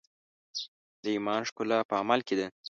د ایمان ښکلا په عمل کې ده.